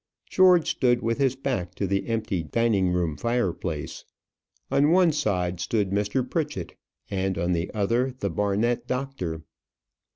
George stood with his back to the empty dining room fireplace: on one side stood Mr. Pritchett, and on the other the Barnet doctor.